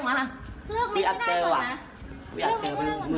จะเลือกไม่ใช่หน่ายกว่านะ